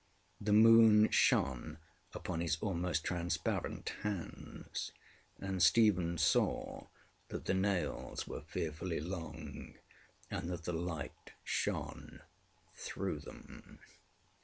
The moon shone upon his almost transparent hands, and Stephen saw that the nails were fearfully long and that the light shone through them.